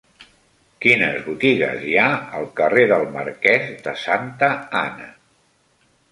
Quines botigues hi ha al carrer del Marquès de Santa Ana?